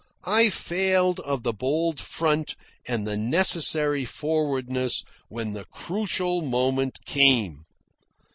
I failed of the bold front and the necessary forwardness when the crucial moment came.